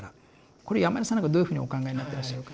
これ山根さんなんかどういうふうにお考えになってらっしゃるか？